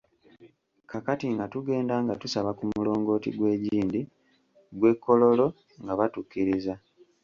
Kaakati nga tugenda nga tusaba ku mulongooti gw’egindi, gw’e Kololo, nga batukkiriza.